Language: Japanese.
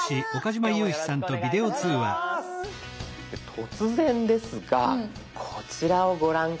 突然ですがこちらをご覧下さい。